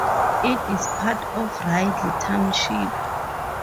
It is part of Ridley Township.